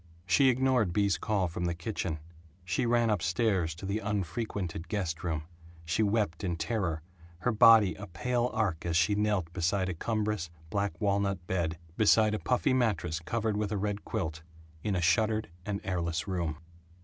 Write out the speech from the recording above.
She ignored Bea's call from the kitchen; she ran up stairs to the unfrequented guest room; she wept in terror, her body a pale arc as she knelt beside a cumbrous black walnut bed, beside a puffy mattress covered with a red quilt, in a shuttered and airless room.